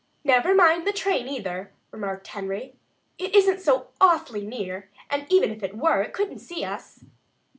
"Never mind the train, either," remarked Henry. "It isn't so awfully near; and even if it were, it couldn't see us."